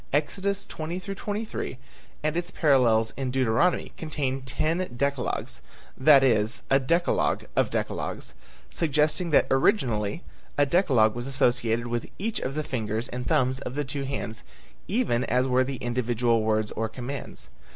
Exodus 20 23 and its parallels in Deuteronomy contain ten decalogues, that is a decalogue of decalogues, suggesting that originally a decalogue was associated with each of the fingers and thumbs of the two hands even as were the individual words or commands.